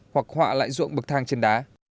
hoặc họa lại ruộng bậc thang trên đá